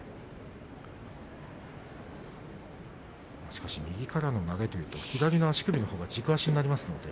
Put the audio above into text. しかし右からの投げというと左足首のほうが軸足になりますがね。